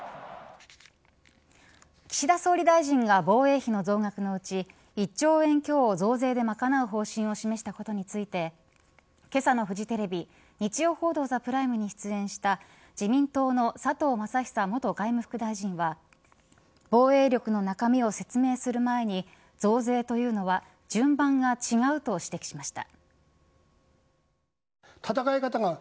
岸田総理大臣が防衛費の増額のうち１兆円強を増税で賄う方針を示したことについてけさのフジテレビ日曜報道ＴＨＥＰＲＩＭＥに出演した自民党の佐藤正久元外務副大臣は防衛力の中身を説明する前に増税というのは順番が違うと指摘しました。